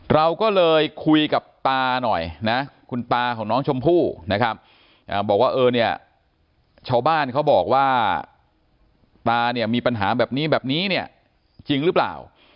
เราก็เลยคุยกับตาหน่อยนะคุณตาของน้องชมพู่นะครับบอกว่าเออเนี่ยชาวบ้านเขาบอกว่าตาเนี่ยมีปัญหาแบบนี้แบบนี้เนี่ยจริงหรือเปล่า